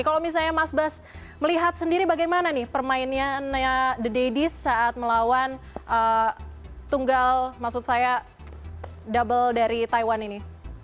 kalau misalnya mas bas melihat sendiri bagaimana nih permainnya the daddies saat melawan tunggal maksud saya double dari taiwan ini